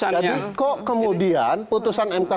lihat amar putusannya